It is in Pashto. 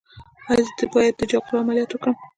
ایا زه باید د جاغور عملیات وکړم؟